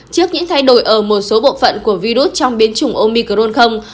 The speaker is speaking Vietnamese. trước những thay đổi ở một số bộ phận của virus trong biến chủng omicron